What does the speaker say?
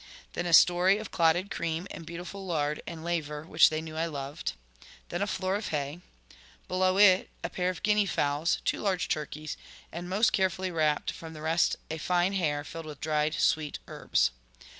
Then a storey of clotted cream and beautiful lard and laver, which they knew I loved. Then a floor of hay. Below it a pair of guinea fowls, two large turkeys, and most carefully wrapped from the rest a fine hare filled with dried sweet herbs.